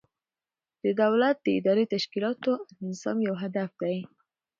د دولت د اداري تشکیلاتو انسجام یو هدف دی.